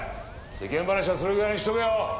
世間話はそれぐらいにしとけよ。